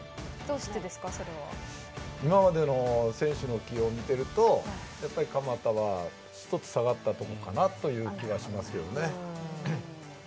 今までの選手の起用を見ていると鎌田は１つ下がったところかなと思いますけどね。